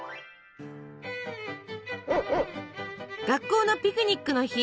学校のピクニックの日。